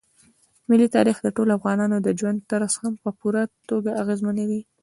ملي تاریخ د ټولو افغانانو د ژوند طرز هم په پوره توګه اغېزمنوي.